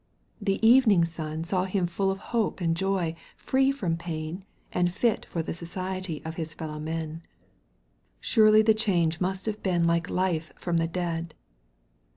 The evening sun saw him full of hope and joy, free from pain, and fit for the society of his fellow men. Surely the change must have been like life from the dead.